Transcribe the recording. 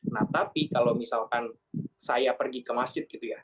nah tapi kalau misalkan saya pergi ke masjid gitu ya